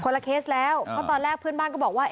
ละเคสแล้วเพราะตอนแรกเพื่อนบ้านก็บอกว่า